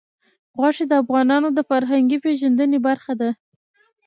غوښې د افغانانو د فرهنګي پیژندنې برخه ده.